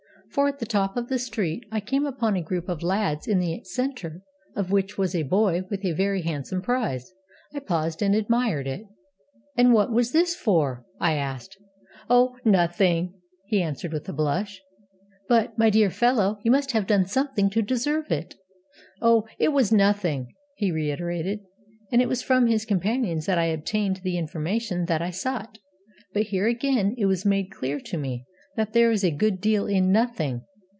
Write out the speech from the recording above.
For, at the top of the street, I came upon a group of lads in the centre of which was a boy with a very handsome prize. I paused and admired it. 'And what was this for?' I asked. 'Oh, nothing!' he answered, with a blush. 'But, my dear fellow, you must have done something to deserve it!' 'Oh, it was nothing!' he reiterated, and it was from his companions that I obtained the information that I sought. But here again it was made clear to me that there is a good deal in Nothing.